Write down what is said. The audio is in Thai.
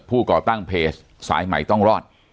ก่อตั้งเพจสายใหม่ต้องรอด